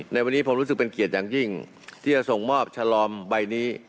ในวันนี้ผมรู้สึกเป็นเกียรติอย่างยิ่งที่จะส่งมอบฉลอมใบนี้